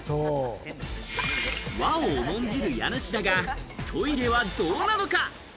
和を重んじる家主だが、トイレはどうなのか？